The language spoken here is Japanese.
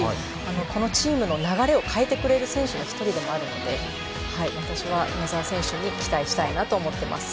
このチームの流れを変えてくれる選手の１人でもあるので私は宮澤選手に期待したいなと思ってます。